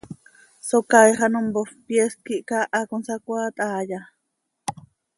¿Socaaix ano mpoofp, pyeest quih caaha consacoaat haaya?